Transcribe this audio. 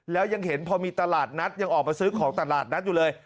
แล้วยังเห็นพอมีตลาดนัดยังออกมาซื้อของตลาดนัดอยู่เลย